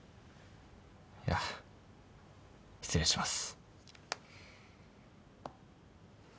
いや失礼します。